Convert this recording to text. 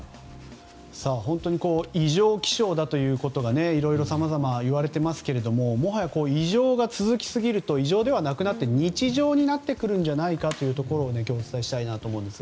本当に異常気象ということがさまざまいわれていますがもはや異常が続きすぎると異常ではなくなって日常になってくるんじゃないかというところを今日はお伝えしたいと思います。